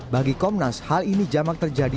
bagi komnas hal ini jamak terjadi